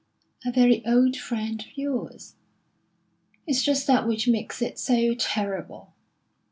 "A very old friend of yours?" "It's just that which makes it so terrible."